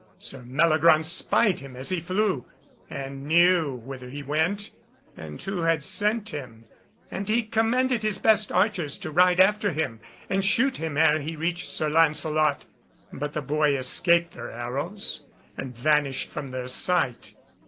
Sir Meliagraunce spied him as he flew, and knew whither he went, and who had sent him; and he commanded his best archers to ride after him and shoot him ere he reached Sir Lancelot. But the boy escaped their arrows, and vanished from their sight.